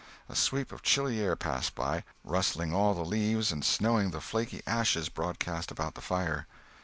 A sweep of chilly air passed by, rustling all the leaves and snowing the flaky ashes broadcast about the fire.